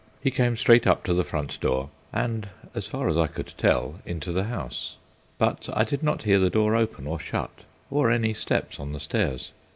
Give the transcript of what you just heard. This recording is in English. He came straight up to the front door and, as far as I could tell, into the house, but I did not hear the door open or shut or any steps on the stairs.